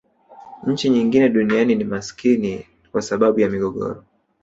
nchi nyingi duniani ni maskini kwa sababu ya migogoro